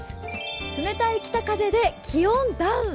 冷たい北風で気温ダウン。